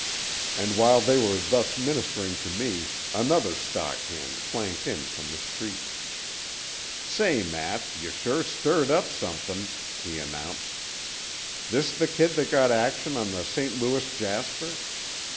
And while they were thus ministering to me another stockhand clanked in from the street. "Say, Matt, yuh sure stirred up somethin'," he announced. "This the kid that got action on the St. Louis jasper?